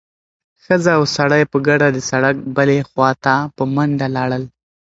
ښځه او سړی په ګډه د سړک بلې خوا ته په منډه لاړل.